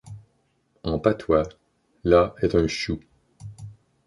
En patois, la est un chou.